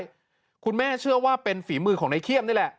ใช่คุณแม่เชื่อว่าเป็นฝีมือของนายเขี้ยมนี่แหละ